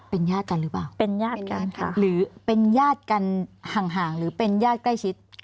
เป็นญาติกันหรือเปล่าเป็นญาติกันค่ะหรือเป็นญาติกันห่างหรือเป็นญาติใกล้ชิด